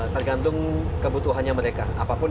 tergantung kebutuhannya mereka apapun